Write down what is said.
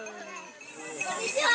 こんにちは！